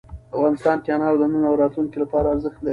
افغانستان کې انار د نن او راتلونکي لپاره ارزښت لري.